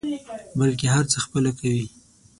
بلکې هر څه خپله کوي.